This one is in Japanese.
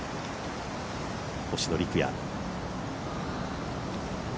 星野陸也。